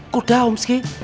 kuda om ski